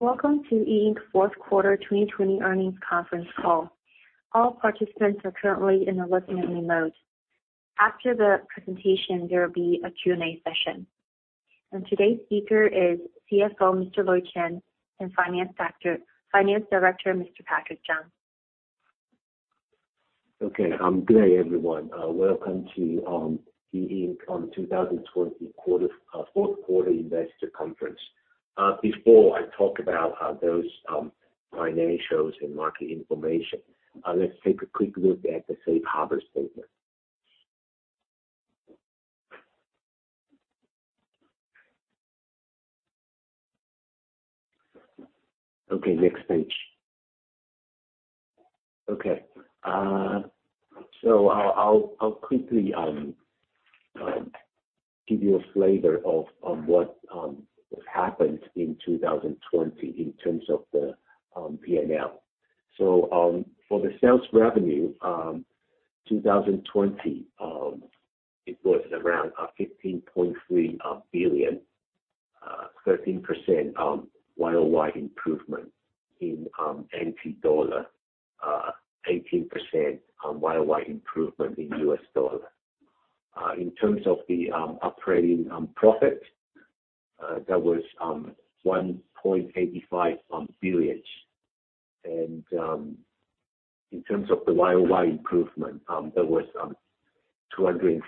Welcome to E Ink fourth quarter 2020 earnings conference call. All participants are currently in a listen-only mode. After the presentation, there will be a Q&A session. Today's speaker is CFO Mr. Lloyd Chen and Finance Director Mr. Patrick Chang. Good day, everyone. Welcome to E Ink 2020 fourth quarter investor conference. Before I talk about those financials and market information, let's take a quick look at the safe harbor statement. Next page. I'll quickly give you a flavor of what happened in 2020 in terms of the P&L. For the sales revenue, 2020, it was around 15.3 billion, 13% Y-o-Y improvement in NT dollar, 18% Y-o-Y improvement in U.S. dollar. In terms of the operating profit, that was 1.85 billion. In terms of the Y-o-Y improvement, that was 230%.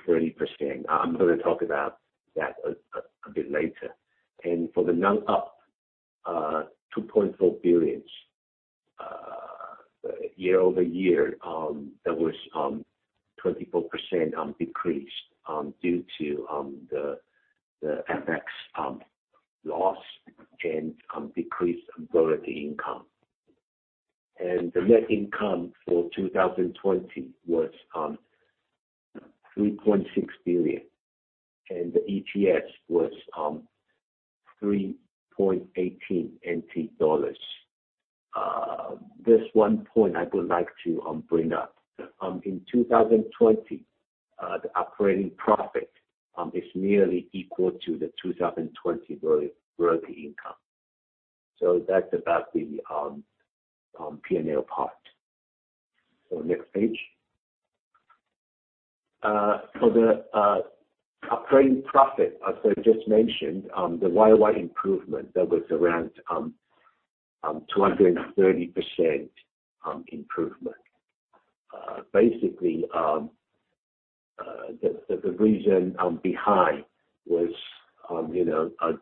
I'm gonna talk about that a bit later. For the non-GAAP, TWD 2.4 billion year-over-year, that was a 24% decrease due to the FX loss and decreased E Ink income. The net income for 2020 was 3.6 billion, and the EPS was 3.18 NT dollars. This one point I would like to bring up. In 2020, the operating profit is nearly equal to the 2020 E Ink gross income. That's about the P&L part. Next page. For the operating profit, as I just mentioned, the Y-o-Y improvement, that was around 230% improvement. Basically, the reason behind was,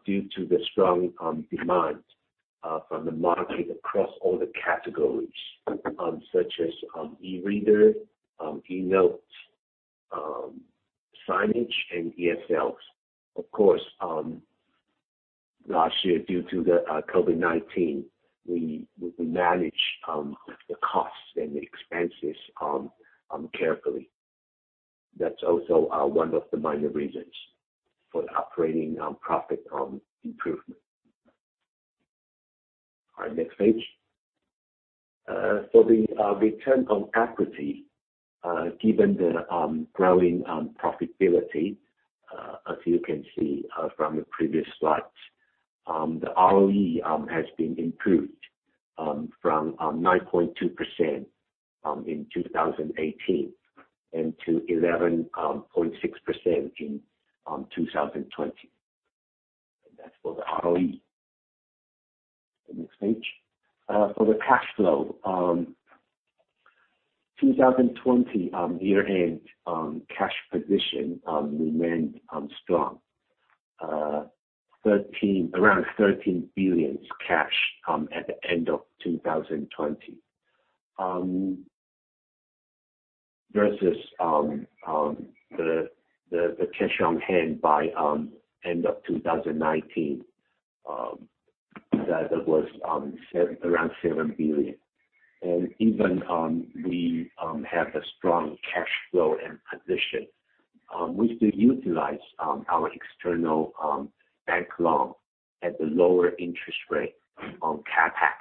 due to the strong demand from the market across all the categories, such as e-reader, e-notes, signage and ESLs. Of course, last year, due to the COVID-19, we managed the costs and the expenses carefully. That's also one of the minor reasons for the operating profit improvement. All right, next page. The return on equity, given the growing profitability, as you can see from the previous slides, the ROE has been improved from 9.2% in 2018 and to 11.6% in 2020. That's for the ROE. The next page. For the cash flow, 2020 year-end cash position remained strong. Around 13 billion cash at the end of 2020. Versus the cash on hand by end of 2019, that was around 7 billion. Even we have a strong cash flow and position, we still utilize our external bank loan at the lower interest rate on CapEx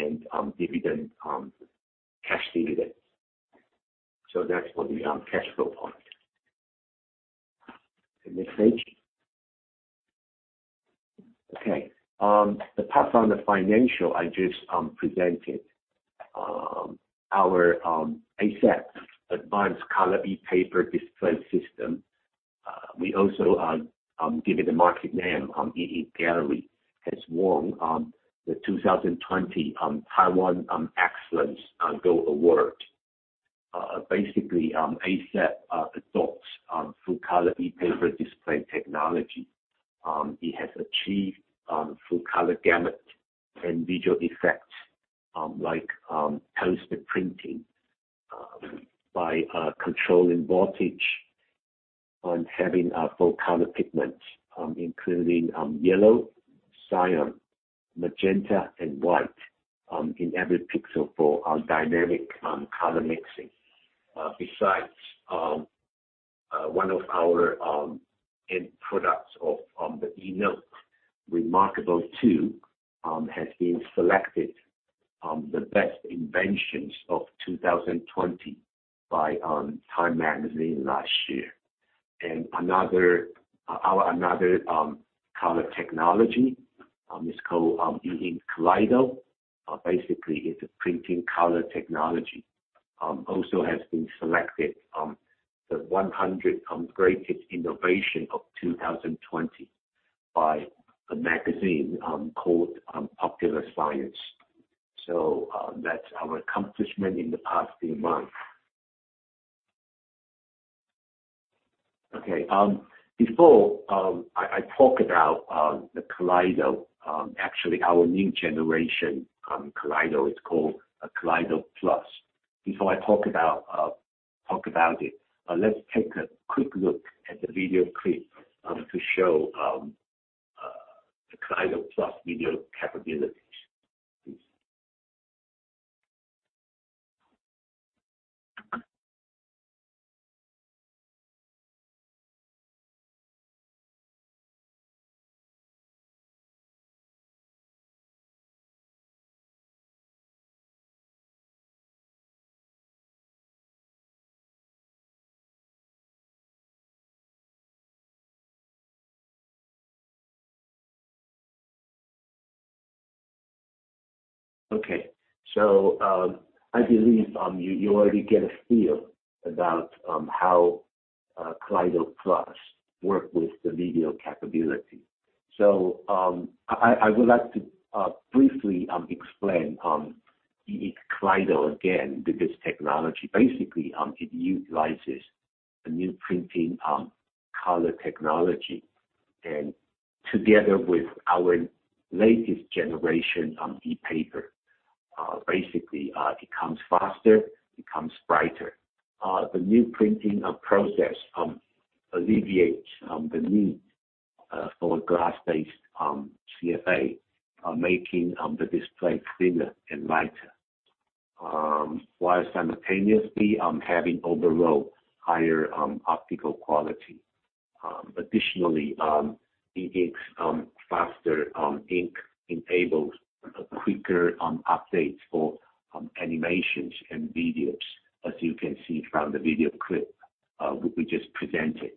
and dividend cash dividend. That's for the cash flow part. The next page. Okay. Apart from the financial I just presented, our ACeP, Advanced Color ePaper Display system, we also give it a market name, E Ink Gallery, has won the 2020 Taiwan Excellence Gold Award. Basically, ACeP adopts full color e-paper display technology. It has achieved full color gamut and visual effects like post printing by controlling voltage and having full color pigments, including yellow, cyan, magenta, and white, in every pixel for dynamic color mixing. Besides, one of our end products of the e-note, reMarkable 2, has been selected the best inventions of 2020 by Time Magazine last year. Another, our another color technology is called E Ink Kaleido. Basically it's a printing color technology. Also has been selected the 100 greatest innovation of 2020 by a magazine called Popular Science. That's our accomplishment in the past few months. Okay. Before I talk about the Kaleido, actually our new generation Kaleido, it's called a Kaleido Plus. Before I talk about it, let's take a quick look at the video clip to show the Kaleido Plus video capabilities. Please. Okay. I believe you already get a feel about how Kaleido Plus work with the video capability. I would like to briefly explain E Ink Kaleido again, because technology basically it utilizes a new printing color technology. Together with our latest generation e-paper, basically becomes faster, becomes brighter. The new printing process alleviates the need for glass-based CFA, making the display thinner and lighter, while simultaneously having overall higher optical quality. Additionally, E Ink's faster ink enables quicker updates for animations and videos, as you can see from the video clip we just presented.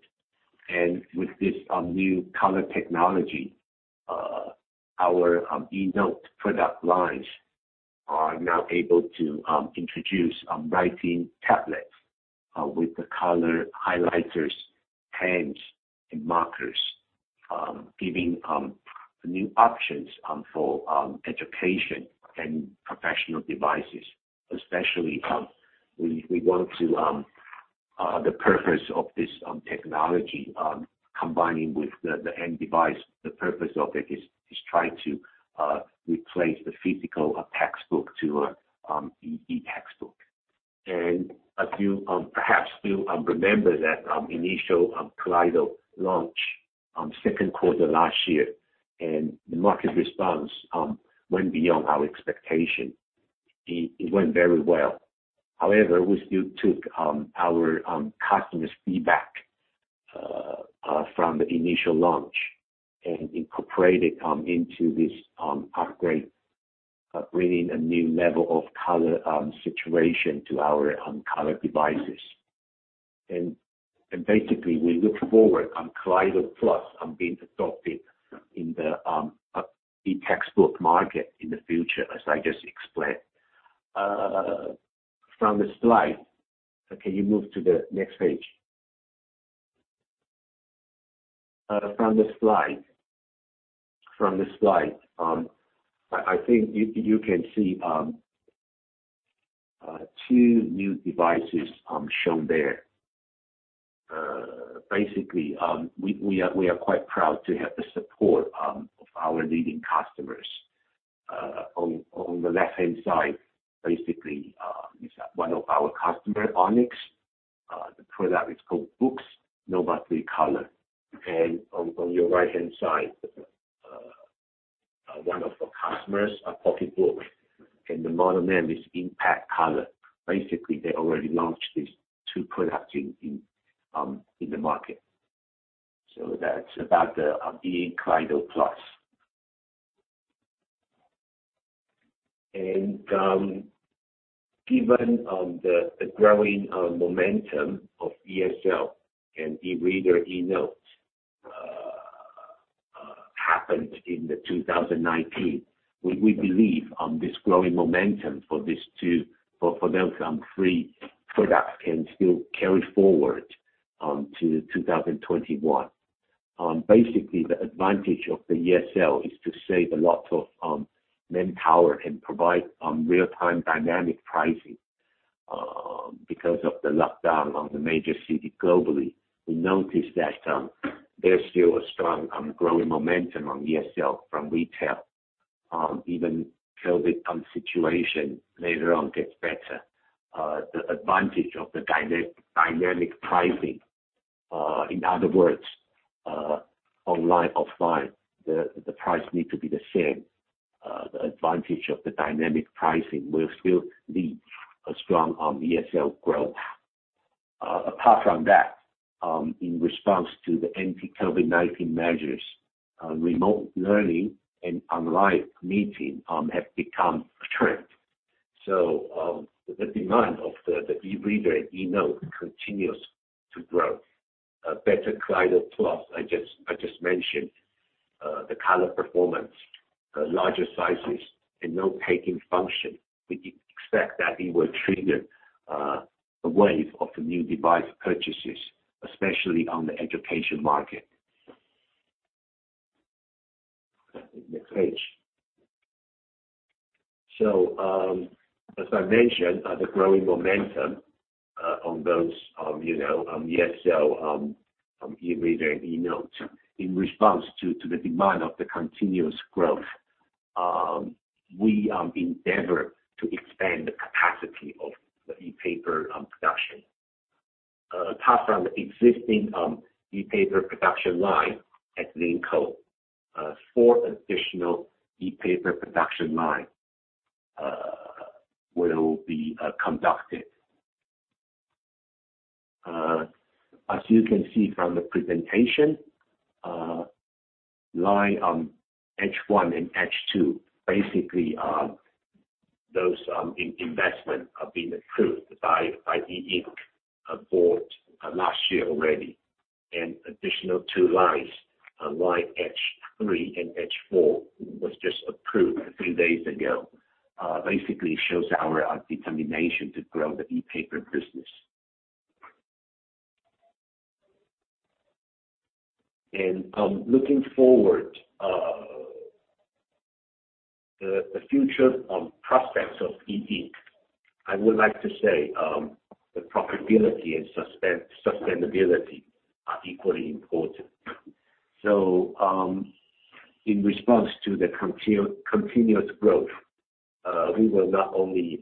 With this new color technology, our E Ink product lines are now able to introduce writing tablet with the color highlighters, pens, and markers, giving new options for education and professional devices. Especially, we want to, the purpose of this technology, combining with the end device, the purpose of it is trying to replace the physical textbook to an e-textbook. As you perhaps still remember that initial Kaleido launch, second quarter last year, the market response went beyond our expectation. It went very well. However, we still took our customers' feedback from the initial launch and incorporated into this upgrade, bringing a new level of color saturation to our color devices. Basically, we look forward on Kaleido Plus being adopted in the e-textbook market in the future, as I just explained. From the slide. Okay, you move to the next page. From the slide, I think you can see two new devices shown there. Basically, we are quite proud to have the support of our leading customers. On the left-hand side, basically, is one of our customer, Onyx. The product is called BOOX NOVA 3 Color. On your right-hand side, one of our customers, PocketBook, and the model name is InkPad Color. Basically, they already launched these two products in the market. That's about the E Ink Kaleido Plus. Given the growing momentum of ESL and e-reader, e-notes happened in 2019, we believe this growing momentum for these two, for those three products can still carry forward to 2021. Basically the advantage of the ESL is to save a lot of manpower and provide real-time dynamic pricing. Because of the lockdown on the major city globally, we noticed that there's still a strong growing momentum on ESL from retail. Even COVID-19 situation later on gets better, the advantage of the dynamic pricing, in other words, online, offline, the price need to be the same. The advantage of the dynamic pricing will still lead a strong ESL growth. Apart from that, in response to the anti-COVID-19 measures, remote learning and online meeting have become a trend. The demand of the e-reader and e-note continues to grow. Better Kaleido Plus, I just mentioned, the color performance, the larger sizes and note-taking function, we expect that it will trigger a wave of the new device purchases, especially on the education market. Next page. As I mentioned, the growing momentum on those, you know, on ESL, e-reader and e-note. In response to the demand of the continuous growth, we endeavor to expand the capacity of the e-paper production. Apart from the existing e-paper production line at Linkou, four additional e-paper production line will be conducted. As you can see from the presentation, line H1 and H2 basically are those investment are being approved by E Ink board last year already. Additional two lines, line H3 and H4 was just approved a few days ago, basically shows our determination to grow the e-paper business. Looking forward, the future prospects of E Ink, I would like to say, the profitability and sustainability are equally important. In response to the continuous growth, we will not only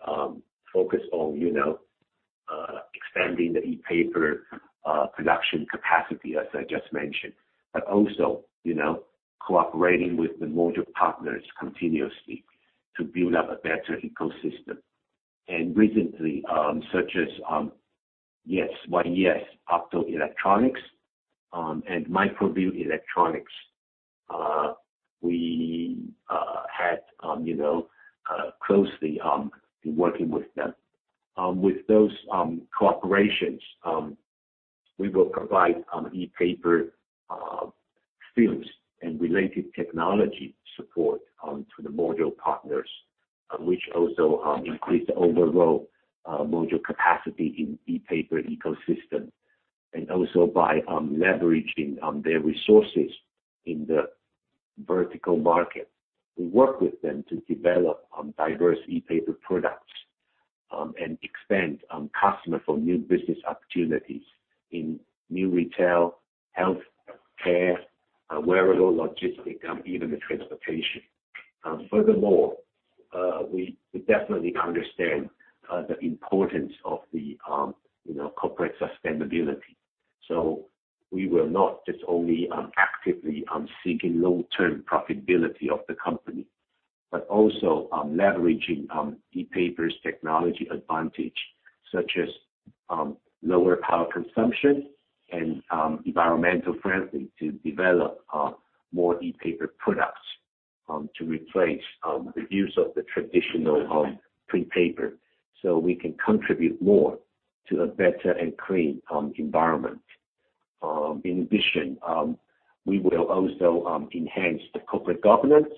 focus on, you know, expanding the e-paper production capacity as I just mentioned, but also, you know, cooperating with the module partners continuously to build up a better ecosystem. Recently, such as Yes, Y-E-S Optoelectronics and Microview Electronics, we had, you know, closely working with them. With those cooperations, we will provide e-paper films and related technology support to the module partners, which also increase the overall module capacity in e-paper ecosystem. Also by leveraging their resources in the vertical market. We work with them to develop diverse e-paper products and expand customer for new business opportunities in new retail, healthcare, wearable, logistic, even the transportation. Furthermore, we definitely understand, you know, the importance of the corporate sustainability. We will not just only actively seeking long-term profitability of the company, but also leveraging ePaper's technology advantage, such as lower power consumption and environmental friendly to develop more ePaper products to replace the use of the traditional print paper, so we can contribute more to a better and clean environment. In addition, we will also enhance the corporate governance,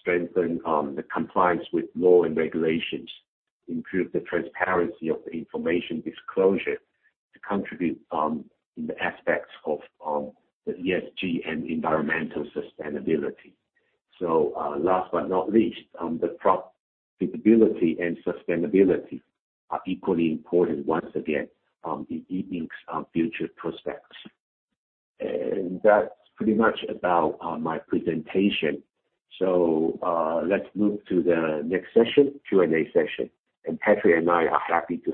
strengthen the compliance with law and regulations, improve the transparency of the information disclosure to contribute in the aspects of the ESG and environmental sustainability. Last but not least, the profitability and sustainability are equally important once again, in E Ink's future prospects. That's pretty much about my presentation. Let's move to the next session, Q&A session, and Patrick and I are happy to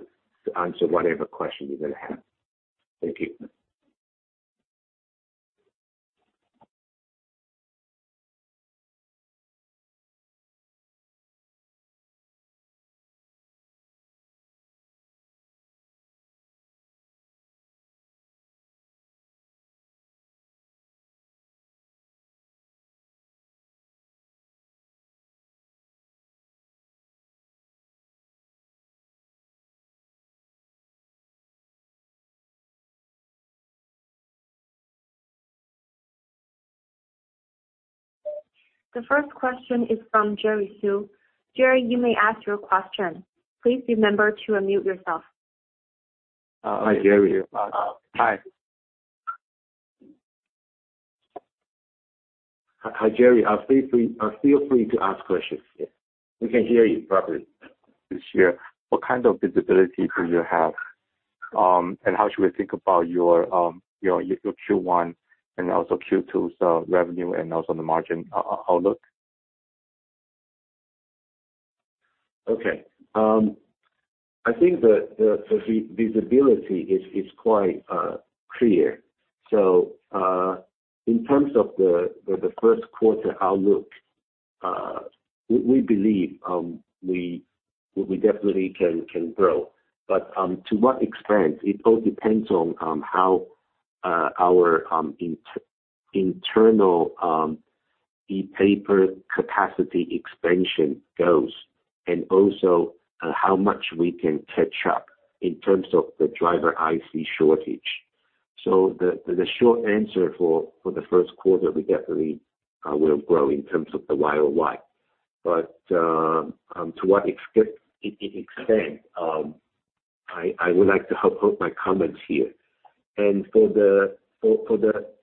answer whatever question you're gonna have. Thank you. The first question is from Jerry Su. Jerry, you may ask your question. Please remember to unmute yourself. Hi, Jerry. Feel free to ask questions. Yeah. We can hear you properly. This year, what kind of visibility do you have? How should we think about your Q1 and also Q2's revenue and also the margin outlook? I think the visibility is quite clear. In terms of the first quarter outlook, we believe we definitely can grow, but to what extent, it all depends on how our internal ePaper capacity expansion goes, and also how much we can catch up in terms of the driver IC shortage. The short answer for the first quarter, we definitely will grow in terms of the Y-o-Y. To what extent, I would like to hold my comments here. For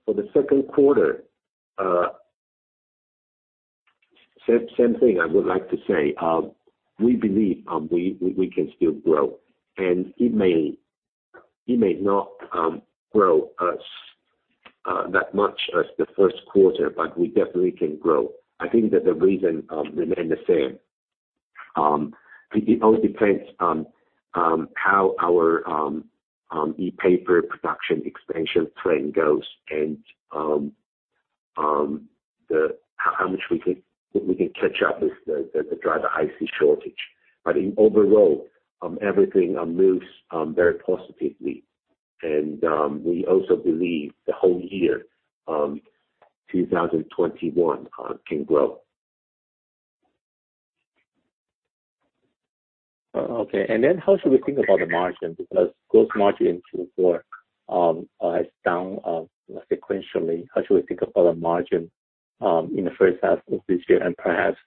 the second quarter, same thing I would like to say. We believe we can still grow. It may not grow as that much as the first quarter, we definitely can grow. I think that the reason remain the same. It all depends on how our ePaper production expansion plan goes and how much we can catch up with the driver IC shortage. In overall, everything moves very positively. We also believe the whole year 2021 can grow. Okay. How should we think about the margin? Because gross margin Q4 is down sequentially. How should we think about the margin in the first half of this year and perhaps,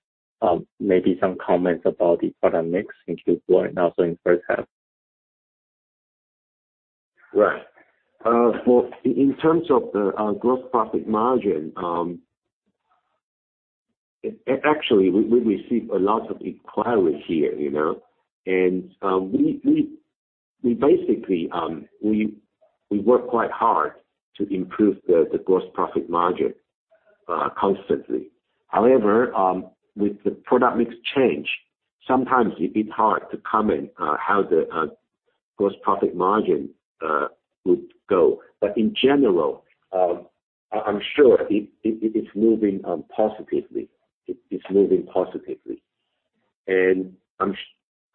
maybe some comments about the product mix in Q4 and also in first half? Right. In terms of the gross profit margin, actually, we receive a lot of inquiry here, you know. We basically, we work quite hard to improve the gross profit margin constantly. However, with the product mix change, sometimes it's hard to comment how the gross profit margin would go. In general, I'm sure it's moving positively. It's moving positively.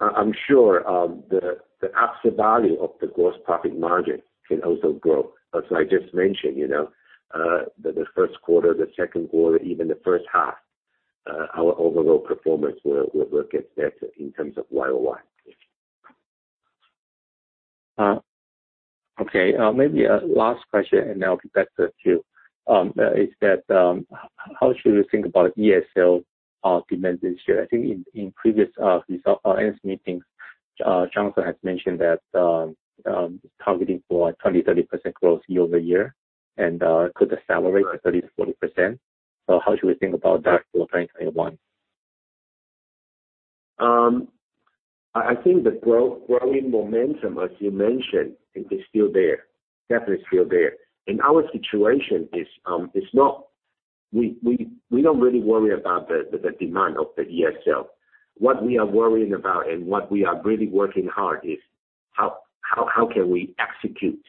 I'm sure the absolute value of the gross profit margin can also grow. As I just mentioned, you know, the first quarter, the second quarter, even the first half, our overall performance will get better in terms of Y-o-Y. Okay. Maybe, last question, and I'll get back to you. Is that how should we think about ESL demand this year? I think in previous result earnings meetings, Johnson has mentioned that targeting for a 20%-30% growth year-over-year and could accelerate to 30%-40%. How should we think about that for 2021? I think the growing momentum, as you mentioned, it is still there. Definitely still there. Our situation is not, we don't really worry about the demand of the ESL. What we are worrying about and what we are really working hard is how can we execute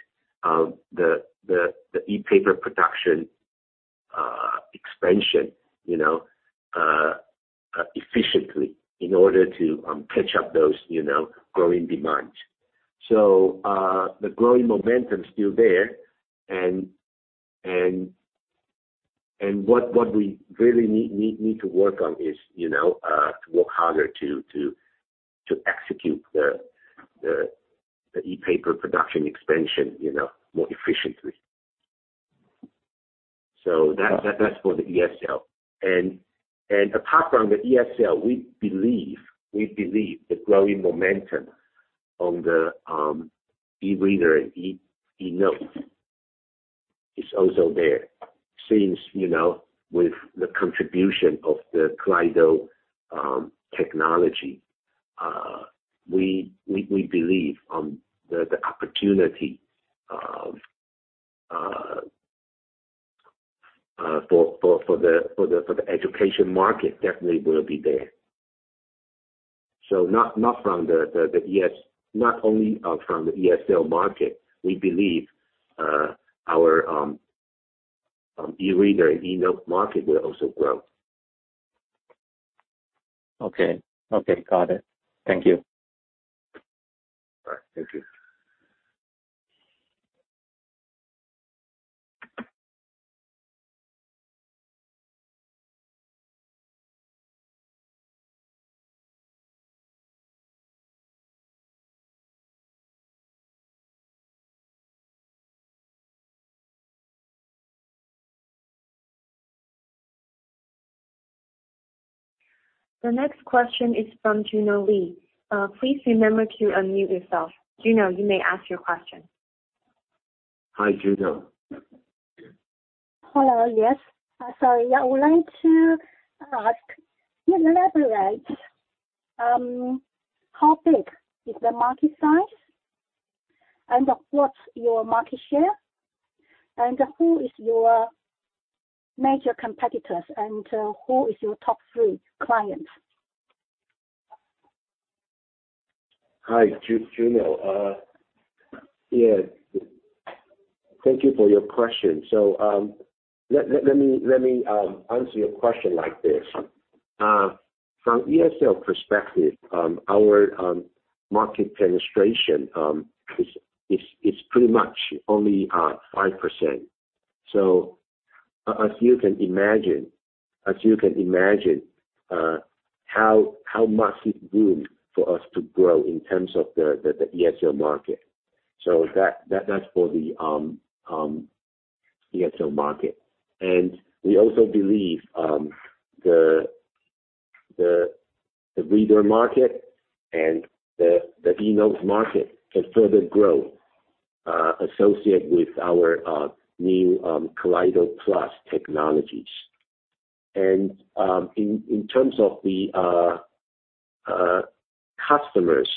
the e-paper production expansion, you know, efficiently in order to catch up those, you know, growing demand. The growing momentum is still there. What we really need to work on is, you know, to work harder to execute the e-paper production expansion, you know, more efficiently. That's for the ESL. Apart from the ESL, we believe the growing momentum on the e-reader and e-notes is also there. Since, you know, with the contribution of the Kaleido technology, we believe the opportunity for the education market definitely will be there. Not only from the ESL market, we believe our e-reader and e-notes market will also grow. Okay. Okay, got it. Thank you. All right. Thank you. The next question is from Juno Lee. Please remember to unmute yourself. Juno, you may ask your question. Hi, Juno. Hello. Yes. Sorry. I would like to ask, can you elaborate, how big is the market size and what's your market share, and who is your major competitors, and who is your top three clients? Hi, Juno. Yeah. Thank you for your question. Let me answer your question like this. From ESL perspective, our market penetration is pretty much only 5%. As you can imagine, as you can imagine, how much is room for us to grow in terms of the ESL market. That's for the ESL market. We also believe the reader market and the e-notes market can further grow associated with our new Kaleido Plus technologies. In terms of the customers,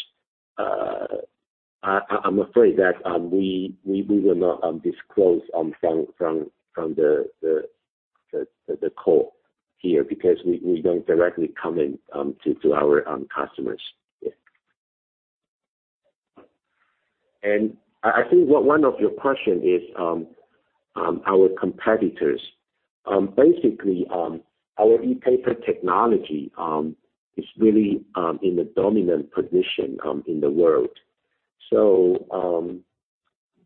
I'm afraid that we will not disclose from the call here because we don't directly comment to our customers. Yeah. I think one of your question is our competitors. Basically, our e-paper technology is really in a dominant position in the world.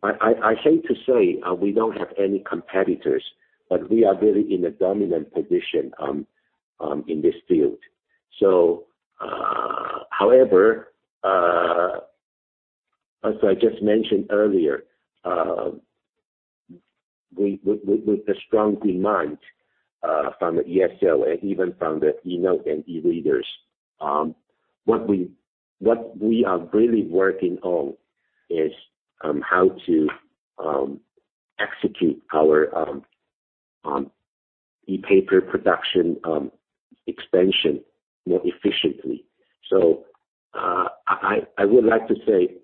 I hate to say we don't have any competitors, but we are really in a dominant position in this field. However, as I just mentioned earlier, with the strong demand from the ESL and even from the e-note and e-readers, what we, what we are really working on is how to execute our e-paper production expansion more efficiently. I would like to say,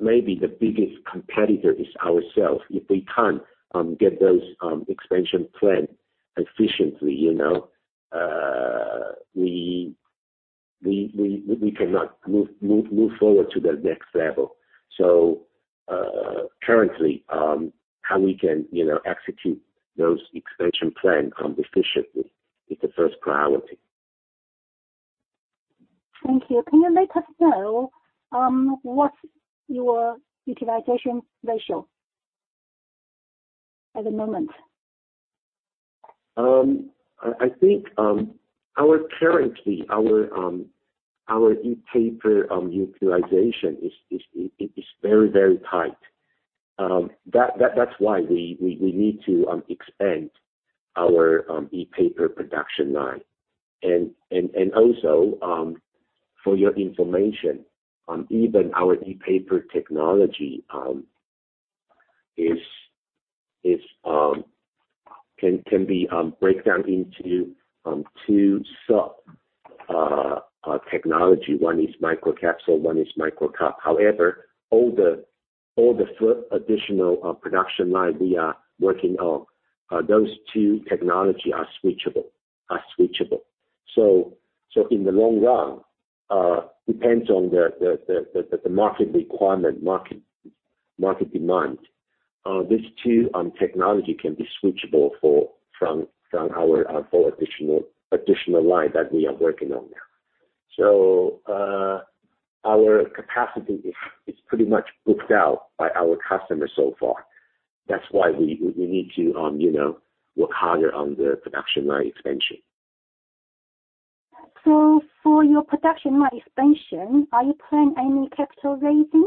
maybe the biggest competitor is ourself. If we can't get those expansion plan efficiently, you know, we cannot move forward to the next level. Currently, how we can, you know, execute those expansion plan efficiently is the first priority. Thank you. Can you let us know, what's your utilization ratio at the moment? I think our currently our e-paper utilization is very tight. That's why we need to expand our e-paper production line. Also, for your information, even our e-paper technology can be break down into two sub technology. One is microcapsule, one is Microcup. However, all the third additional production line we are working on, those two technology are switchable. In the long run, depends on the market requirement, market demand. These two technology can be switchable from our four additional line that we are working on now. Our capacity is pretty much booked out by our customers so far. That's why we need to, you know, work harder on the production line expansion. For your production line expansion, are you planning any capital raising?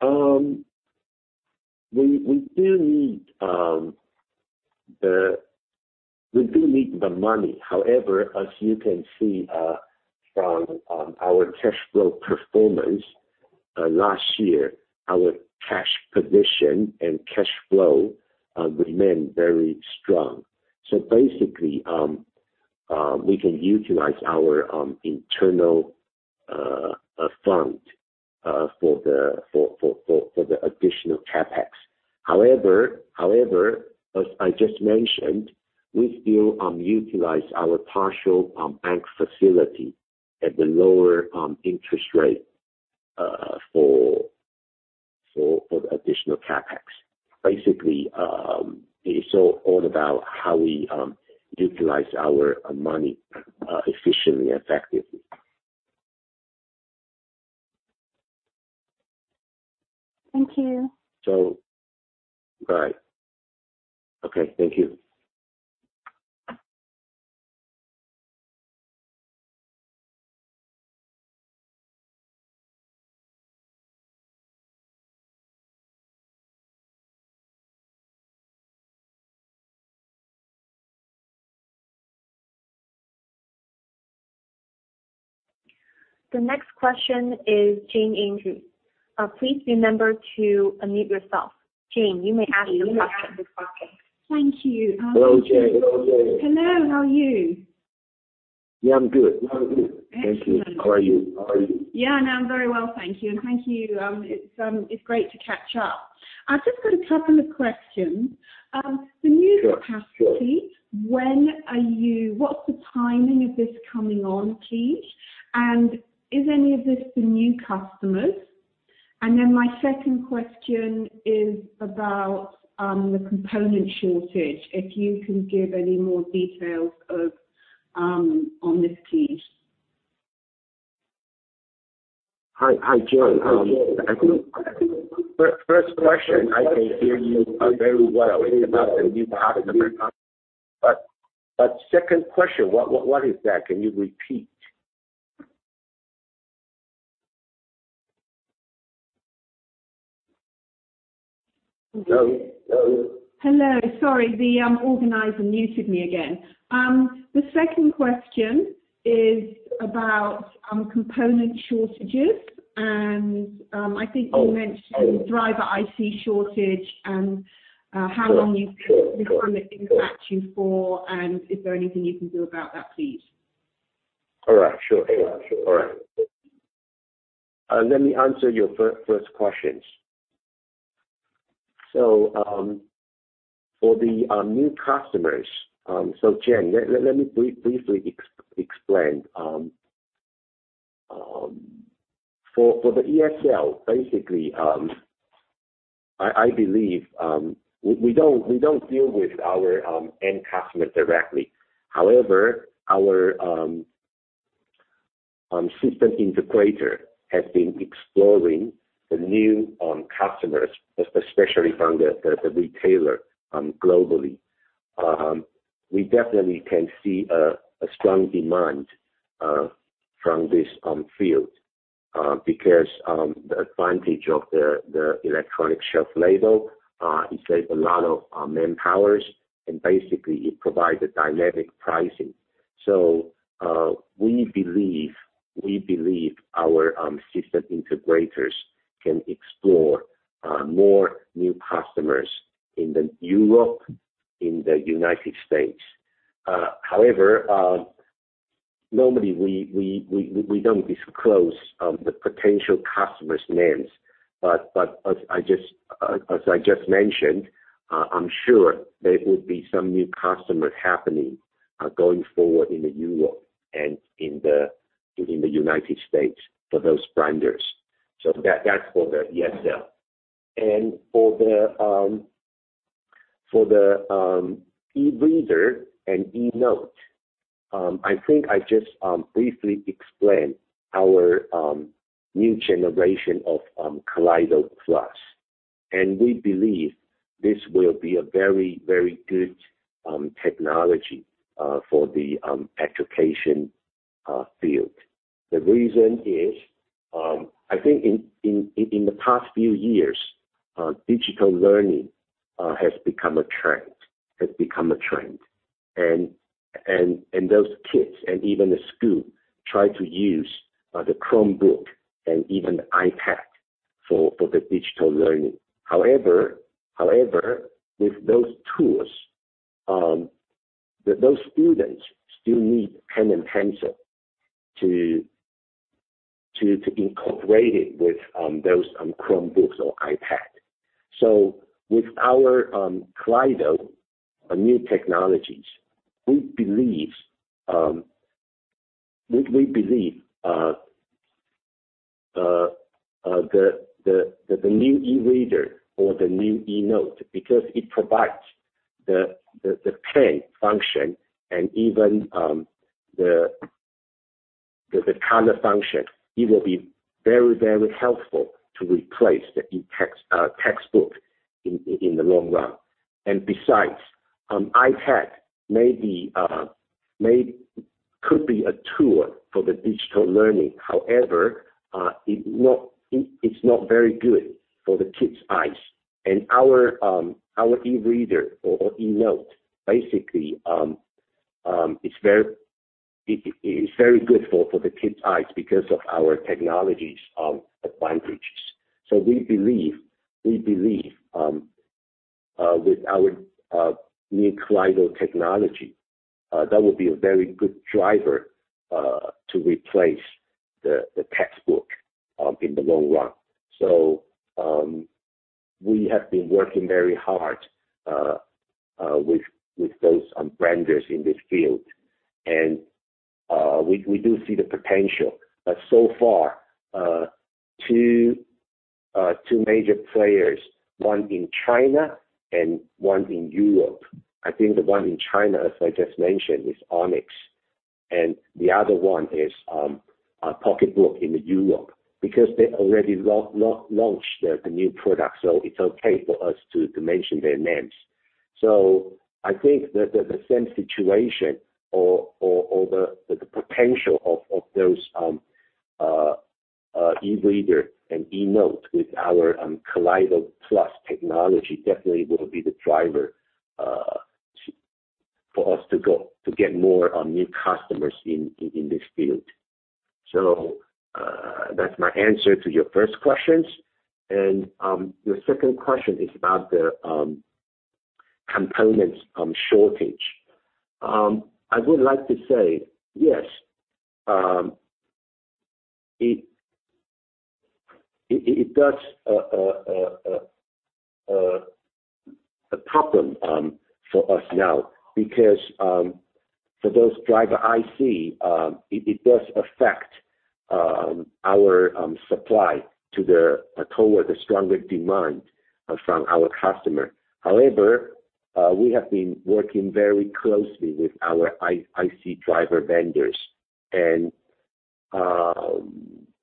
We do need the money. However, as you can see, from our cash flow performance, last year, our cash position and cash flow, remain very strong. Basically, we can utilize our internal fund for the additional CapEx. However, as I just mentioned, we still utilize our partial bank facility at the lower interest rate for additional CapEx. Basically, it's all about how we utilize our money efficiently and effectively. Thank you. Right. Okay. Thank you. The next question is Jane Ings. Please remember to unmute yourself. Jane, you may ask your question. Thank you. Hello, Jane. Hello. How are you? Yeah, I'm good. I'm good. Excellent. Thank you. How are you? How are you? Yeah. No, I'm very well, thank you. Thank you. It's great to catch up. I've just got a couple of questions. Sure, sure. The new capacity, what's the timing of this coming on, please? Is any of this for new customers? My second question is about the component shortage, if you can give any more details of on this please. Hi. Hi, Jane. I think first question, I can hear you very well about the new customers. Second question, what is that? Can you repeat? Hello? Hello. Sorry. The organizer muted me again. The second question is about component shortages. Oh. You mentioned driver IC shortage and how long you think this gonna impact you for, and is there anything you can do about that, please? All right. Sure. All right. Let me answer your first questions. For the new customers, Jane, let me briefly explain. For the ESL, basically, I believe we don't deal with our end customer directly. However, our system integrator has been exploring the new customers, especially from the retailer, globally. We definitely can see a strong demand from this field because the advantage of the electronic shelf label, it saves a lot of manpowers, and basically it provides a dynamic pricing. We believe our system integrators can explore more new customers in Europe, in the United States. However, normally we don't disclose the potential customers' names, but as I just mentioned, I'm sure there will be some new customer happening going forward in Europe and in the United States for those vendors. That's for the ESL. For the e-reader and e-note, I think I just briefly explained our new generation of Kaleido Plus. We believe this will be a very, very good technology for the education field. The reason is, I think in the past few years, digital learning has become a trend. Those kids and even the school try to use the Chromebook and even iPad for the digital learning. However, with those tools, those students still need pen and pencil to incorporate it with those Chromebooks or iPad. With our Kaleido new technologies, we believe the new e-reader or the new e-note, because it provides the pen function and even the color function, it will be very helpful to replace the textbook in the long run. Besides, iPad could be a tool for the digital learning. However, it's not very good for the kids' eyes. Our e-reader or e-note basically it's very good for the kids' eyes because of our technologies advantages. We believe with our new Kaleido technology that would be a very good driver to replace the textbook in the long run. We have been working very hard with those vendors in this field. We do see the potential. So far, two major players, one in China and one in Europe. I think the one in China, as I just mentioned, is Onyx, and the other one is PocketBook in Europe. They already launched their new product, so it's okay for us to mention their names. I think the same situation or the potential of those e-reader and e-note with our Kaleido Plus technology definitely will be the driver for us to go, to get more new customers in this field. That's my answer to your first questions. Your second question is about the components shortage. I would like to say yes, it does a problem for us now because for those driver IC, it does affect our supply toward the stronger demand from our customer. However, we have been working very closely with our IC driver vendors,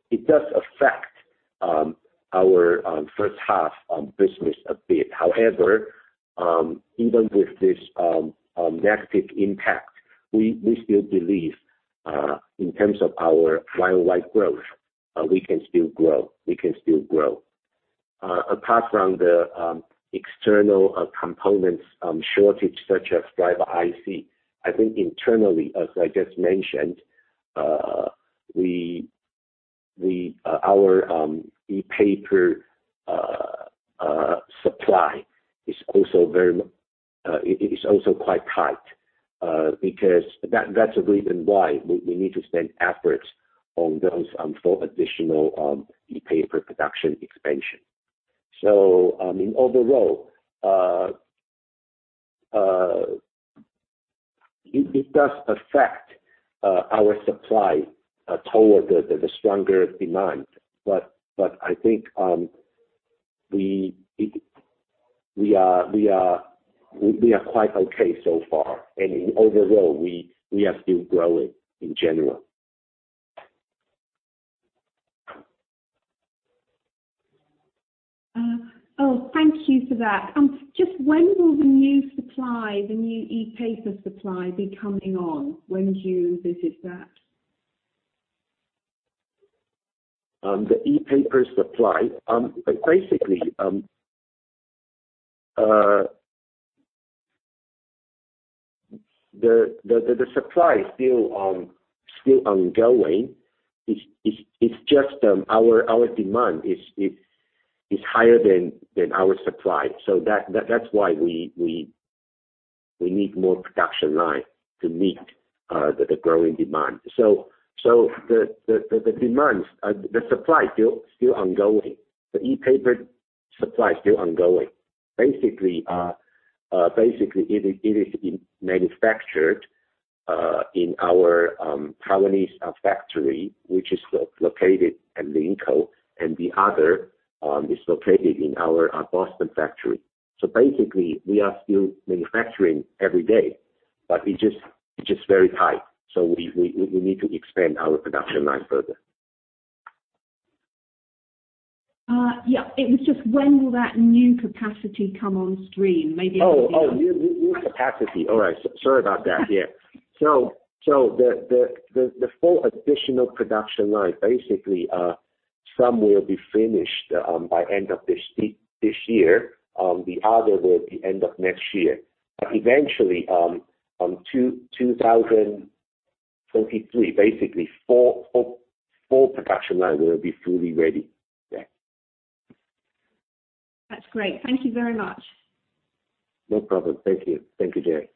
it does affect our first half business a bit. However, even with this negative impact, we still believe in terms of our worldwide growth, we can still grow. Apart from the external components shortage such as driver IC, I think internally, as I just mentioned, our e-paper supply is also quite tight, because that's the reason why we need to spend efforts on those four additional e-paper production expansion. I mean, overall, it does affect our supply toward the stronger demand. I think we are quite okay so far. Overall, we are still growing in general. Thank you for that. Just when will the new supply, the new e-paper supply be coming on? When do you envision that? The e-paper supply, basically, the supply is still ongoing. It's just our demand is higher than our supply. That's why we need more production line to meet the growing demand. The demand, the supply is still ongoing. The e-paper supply is still ongoing. Basically, it is manufactured in our Taiwanese factory, which is located at Linkou, and the other is located in our Boston factory. Basically, we are still manufacturing every day, but it's just very tight. We need to expand our production line further. Yeah. It was just when will that new capacity come on stream? New capacity. All right. Sorry about that. Yeah. The four additional production line basically, some will be finished by end of this year. The other will be end of next year. Eventually, 2023, basically four production line will be fully ready. Yeah. That's great. Thank you very much. No problem. Thank you. Thank you, Jane.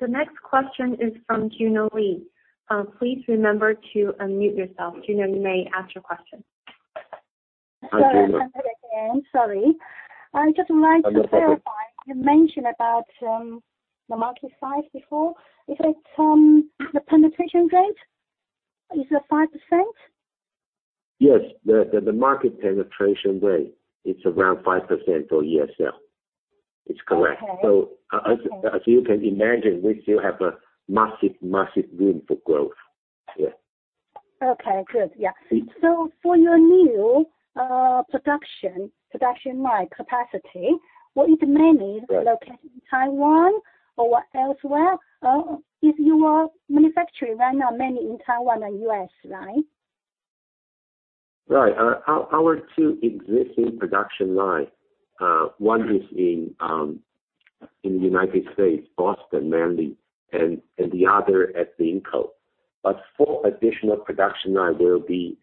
The next question is from Juno Lee. Please remember to unmute yourself. Juno, you may ask your question. Hi, Juno. I'm here again. Sorry. No problem. To verify, you mentioned about, the market size before. Is it the penetration rate? Is it 5%? Yes. The market penetration rate, it's around 5% for ESL. It's correct. Okay. As you can imagine, we still have a massive room for growth. Yeah. Okay. Good. Yeah. For your new, production line capacity, will it mainly- Right. Located in Taiwan or elsewhere? If you are manufacturing right now mainly in Taiwan and U.S., right? Right. Our two existing production line, one is in the United States, Boston mainly, and the other at Linkou. Four additional production line will be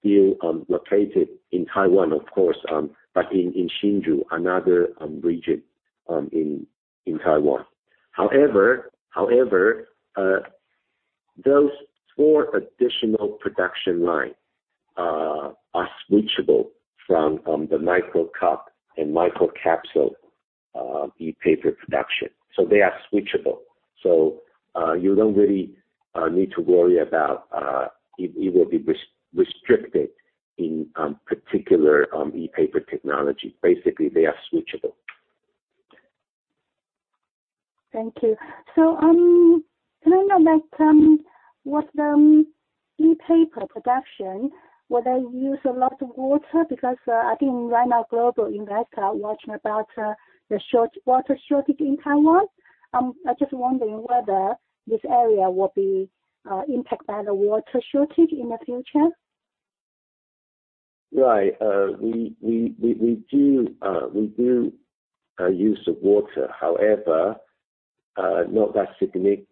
still located in Taiwan, of course, but in Hsinchu, another region in Taiwan. However, those four additional production line are switchable from the Microcup and microcapsule e-paper production. They are switchable. You don't really need to worry about it will be restricted in particular e-paper technology. Basically, they are switchable. Thank you. Can I know like what e-paper production will they use a lot of water? I think right now global investors are watching about the water shortage in Taiwan. I am just wondering whether this area will be impacted by the water shortage in the future. Right. We do use of water. However, not that significantly.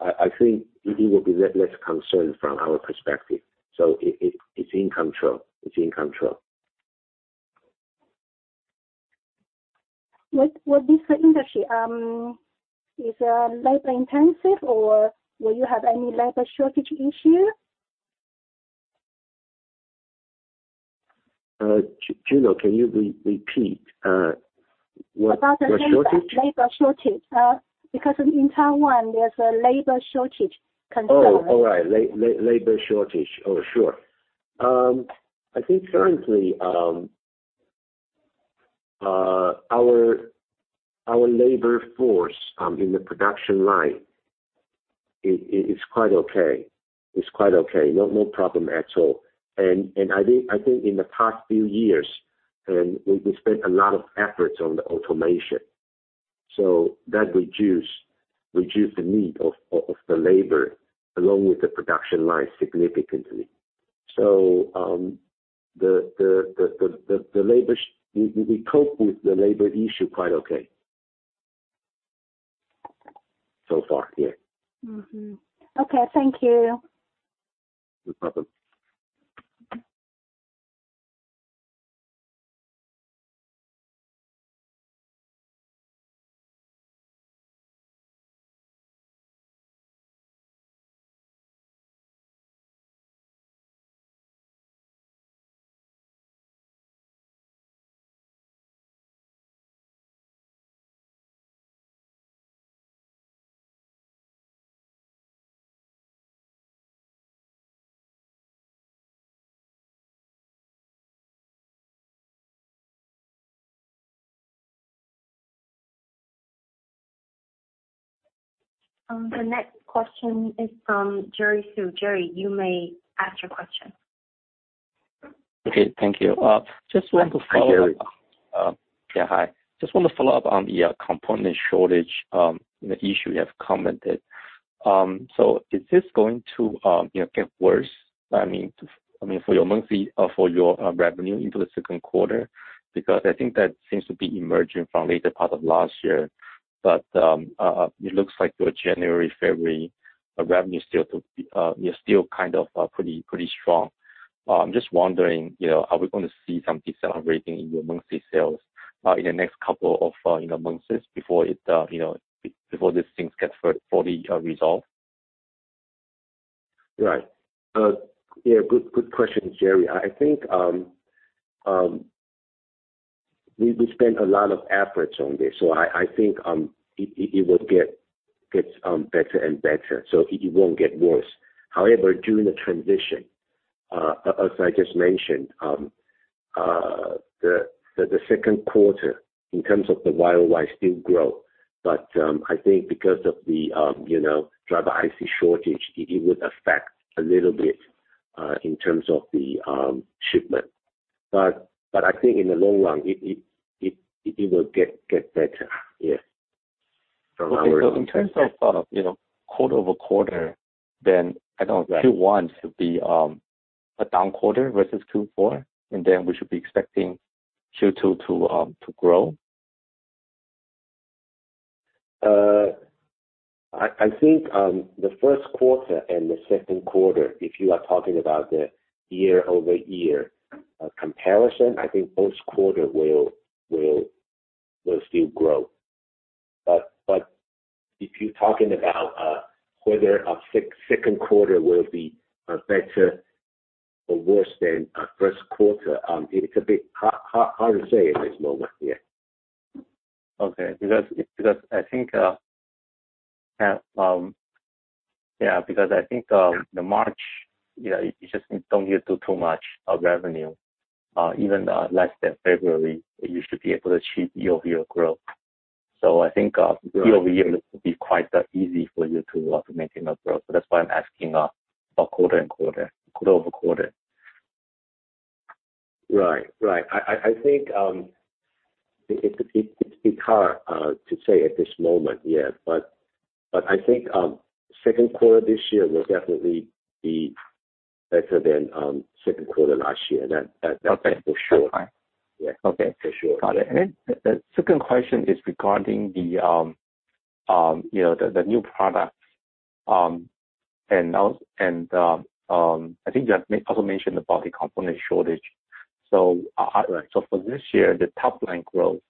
I think it will be less concerned from our perspective. It's in control. It's in control. What this industry is labor-intensive or will you have any labor shortage issue? Juno, can you repeat? About the labor- The shortage? Labor shortage. In Taiwan, there's a labor shortage concern. Oh, all right. Labor shortage. Oh, sure. I think currently, our labor force in the production line is quite okay. It's quite okay. No problem at all. I think in the past few years, we spent a lot of efforts on the automation, so that reduced the need of the labor along with the production line significantly. The labor, we cope with the labor issue quite okay. So far, yeah. Okay. Thank you. No problem. The next question is from Jerry Su. Jerry, you may ask your question. Okay. Thank you. Just want to follow up. Hi, Jerry. Yeah, hi. Just want to follow up on the component shortage, the issue you have commented. Is this going to, you know, get worse? I mean, for your revenue into the second quarter? I think that seems to be emerging from later part of last year. It looks like your January, February revenue is still kind of pretty strong. I'm just wondering, you know, are we gonna see some deceleration in your monthly sales in the next couple of, you know, months before it, you know, before these things get fully resolved? Right. Yeah, good question, Jerry. I think we spent a lot of efforts on this. I think it will get better and better, so it won't get worse. However, during the transition, as I just mentioned, the second quarter in terms of the Y-o-Y still grow. I think because of the, you know, driver IC shortage, it would affect a little bit in terms of the shipment. I think in the long run, it will get better. Yeah. Okay. In terms of, you know, quarter-over-quarter. Right. Q1 should be a down quarter versus Q4, and then we should be expecting Q2 to grow? I think the first quarter and the second quarter, if you are talking about the year-over-year comparison, I think both quarter will still grow. If you're talking about whether a second quarter will be better or worse than first quarter, it's a bit hard to say at this moment. Yeah. Okay. Because I think, yeah, because I think, the March, you know, you just don't get to too much of revenue, even less than February, you should be able to achieve year-over-year growth. Right. Year-over-year will be quite easy for you to maintain that growth. That's why I'm asking about quarter and quarter-over-quarter. Right. I think it's a bit hard to say at this moment. I think second quarter this year will definitely be better than second quarter last year. Okay. That's for sure. All right. Yeah. Okay. For sure. Got it. The second question is regarding the, you know, the new products. I think you have also mentioned about the component shortage. For this year, the top-line growth,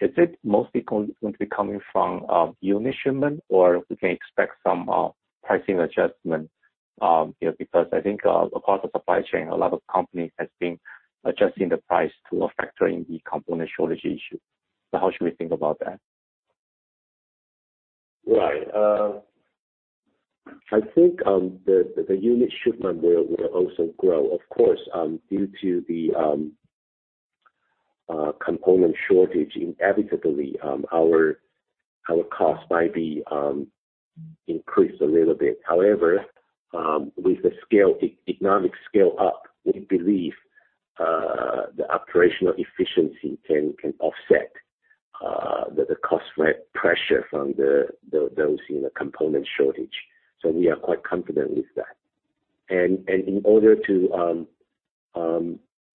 is it mostly going to be coming from unit shipment, or we can expect some pricing adjustment, you know, because I think across the supply chain, a lot of companies has been adjusting the price to factoring the component shortage issue. How should we think about that? Right. I think the unit shipment will also grow. Of course, due to the component shortage, inevitably, our cost might be increased a little bit. However, with the economic scale up, we believe the operational efficiency can offset the cost pressure from those, you know, component shortage. We are quite confident with that. In order to,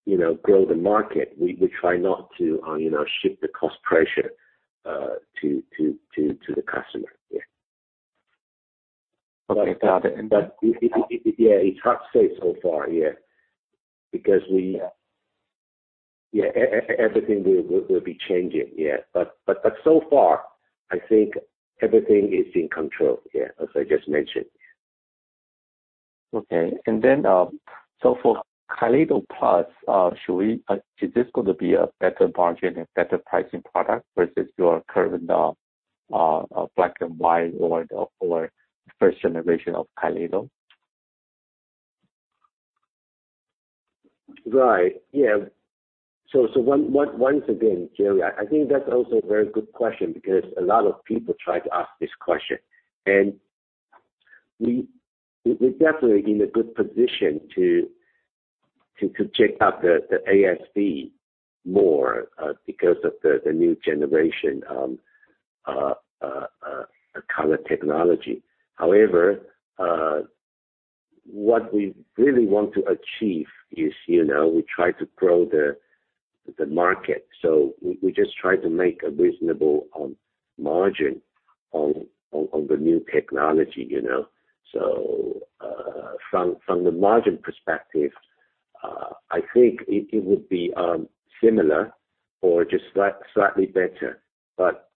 you know, grow the market, we try not to, you know, shift the cost pressure to the customer. Yeah. Okay. Got it. It, yeah, it's hard to say so far, yeah. Yeah. Everything will be changing. Yeah. So far, I think everything is in control, yeah, as I just mentioned. Okay. For Kaleido Plus, is this gonna be a better margin and better pricing product versus your current, black and white or first generation of Kaleido? Right. Yeah. Once again, Jerry, I think that's also a very good question because a lot of people try to ask this question. We're definitely in a good position to check out the ASP more because of the new generation color technology. However, what we really want to achieve is, you know, we try to grow the market. We just try to make a reasonable margin on the new technology, you know. From the margin perspective, I think it would be similar or just slightly better. But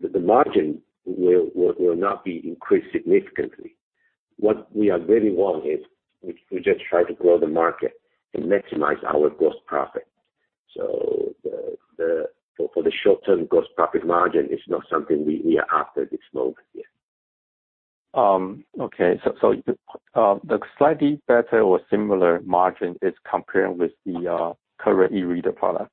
the margin will not be increased significantly. What we really want is we just try to grow the market and maximize our gross profit. The short term gross profit margin is not something we are after this moment. Yeah. Okay. The slightly better or similar margin is comparing with the current e-reader product?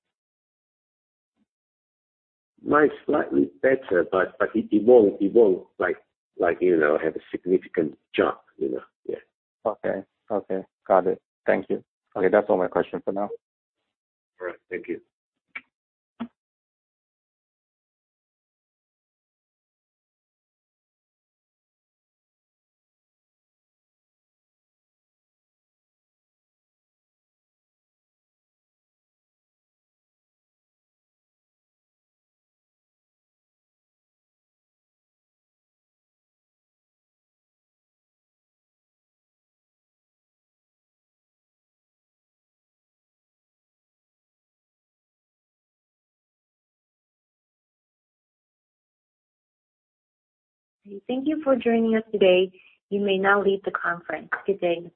Like slightly better, but it won't like, you know, have a significant jump, you know. Yeah. Okay. Okay. Got it. Thank you. Okay. That is all my question for now. All right. Thank you. Thank you for joining us today. You may now leave the conference. Good day.